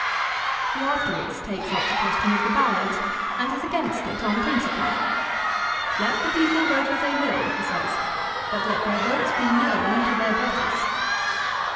l He afterwards takes up the question of the ballot, and is against it on principle. " Let the people vote as they will," he says, " but let their votes be known to their betters."